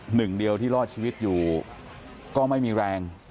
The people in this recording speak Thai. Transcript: หนึ่งเดียวที่รอดชีวิตอยู่ก็ไม่มีแรง